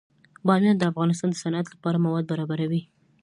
بامیان د افغانستان د صنعت لپاره مواد برابروي.